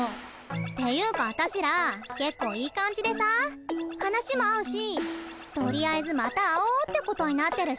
ていうかあたしらけっこういい感じでさ話も合うしとりあえずまた会おうってことになってるし。